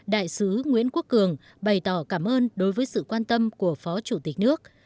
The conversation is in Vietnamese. đại sứ nguyễn quốc cường bày tỏ cảm ơn đối với sự quan tâm của phó chủ tịch nước